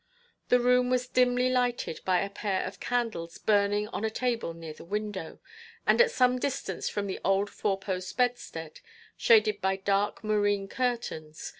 The room was dimly lighted by a pair of candles burning on a table near the window, and at some distance from the old four post bedstead, shaded by dark moreen curtains.